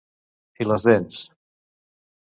I les dents.